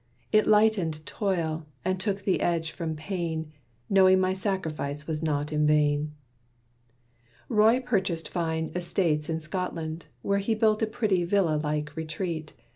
It lightened toil, and took the edge from pain, Knowing my sacrifice was not in vain. Roy purchased fine estates in Scotland, where He built a pretty villa like retreat.